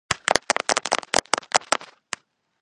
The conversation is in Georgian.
თავდაპირველად მათი ქორწინება ბედნიერი იყო.